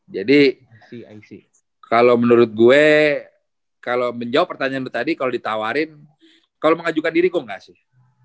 jadi kalau menurut gue kalau menjawab pertanyaan lo tadi kalau ditawarin kalau mengajukan diri kok gak sih